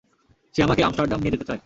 সে আমাকে আমস্টারডাম নিয়ে যেতে চায়।